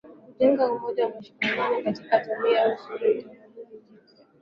Kujenga umoja na mshikamano katika jamii na Kustawisha utamaduni wa jamii husika